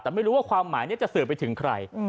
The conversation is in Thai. แต่ไม่รู้ว่าความหมายนี้จะสื่อไปถึงใคร